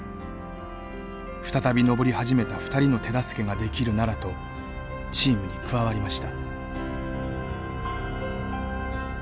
再び登り始めた２人の手助けができるならとチームに加わりました。